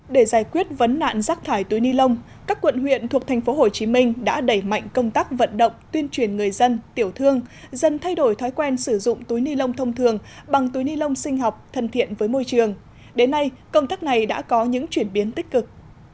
để giải quyết vấn nạn rác thải túi ni lông các quận huyện thuộc tp hcm đã đẩy mạnh công tác vận động tuyên truyền người dân tiểu thương dân thay đổi thói quen sử dụng túi ni lông thông thường bằng túi ni lông sinh học thân thiện với môi trường đến nay công tác này đã có những chuyển biến tích cực